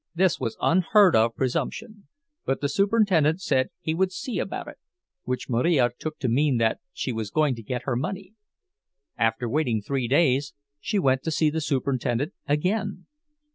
This was unheard of presumption, but the superintendent said he would see about it, which Marija took to mean that she was going to get her money; after waiting three days, she went to see the superintendent again.